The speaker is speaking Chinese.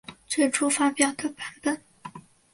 最初发表的版本。